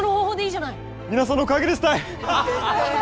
皆さんのおかげですたい！